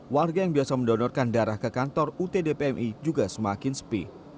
warga yang biasa mendonorkan darah ke kantor utd pmi juga semakin sepi